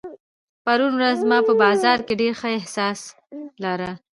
پرون ورځ ما په بازار کې ډېر ښه احساس لارۀ.